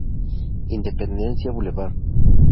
Independencia, Blvd.